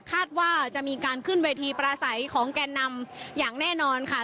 คาดว่าจะมีการขึ้นเวทีปราศัยของแก่นำอย่างแน่นอนค่ะ